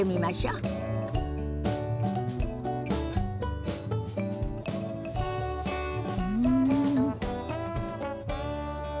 うん。